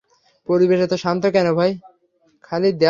পরিবেশ এতো শান্ত কেনো ভাই?